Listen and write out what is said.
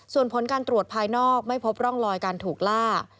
ส่วนผลการตรวจภายนอกไม่พบร่องรอยการถูกล่า